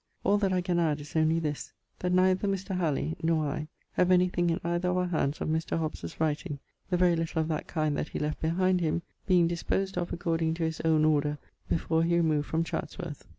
All that I can add is onely this, that neither Mr. Halleley nor I have anything in either of our hands of Mr. Hobbes's writing, the very little of that kind that he left behind him being disposed of according to his own order before he removed from Chatsworth.